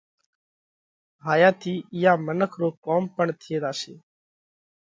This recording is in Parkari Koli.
هايا ٿِي اِيئا منک رو ڪوم پڻ ٿِي زاشي،